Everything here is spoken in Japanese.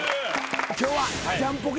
今日はジャンポケ。